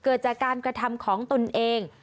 เกิดจากการกระทำของตนเอง